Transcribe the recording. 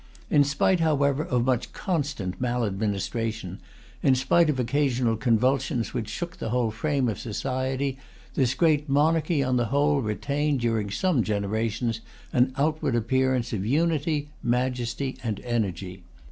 In spite, however, of much constant maladministration, in spite of occasional convulsions which shook the whole frame of society, this great monarchy, on the whole, retained, during some generations, an outward appearance of unity, majesty, and energy.